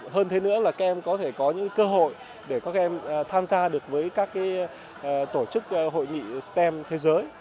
hơn thế nữa là các em có thể có những cơ hội để các em tham gia được với các tổ chức hội nghị stem thế giới